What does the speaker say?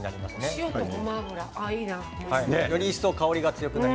塩とごま油いいね。